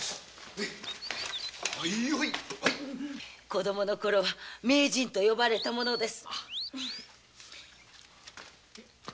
子供のころは名人と呼ばれたものです。